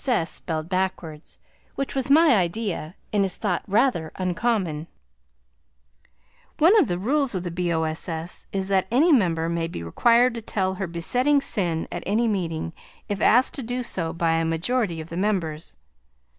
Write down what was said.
S.S. spelled backwards) which was my idea and is thought rather uncommon. One of the rules of the B.O.S.S. is that any member may be required to tell her besetting sin at any meeting, if asked to do so by a majority of the members.